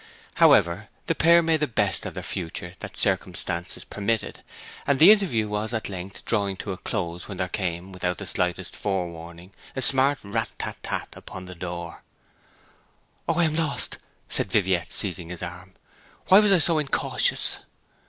However, the pair made the best of their future that circumstances permitted, and the interview was at length drawing to a close when there came, without the slightest forewarning, a smart rat tat tat upon the little door. 'O I am lost!' said Viviette, seizing his arm. 'Why was I so incautious?'